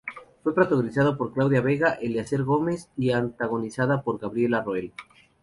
Fue protagonizada por Claudia Vega, Eleazar Gómez y antagonizada por Gabriela Roel.